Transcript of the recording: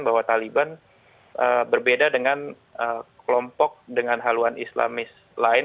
bahwa taliban berbeda dengan kelompok dengan haluan islamis lain